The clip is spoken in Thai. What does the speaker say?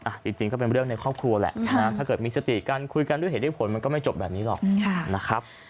จริงก็เป็นเรื่องในครอบครัวแหละถ้าเกิดมีสติกันคุยกันด้วยเหตุด้วยผลมันก็ไม่จบแบบนี้หรอกนะครับ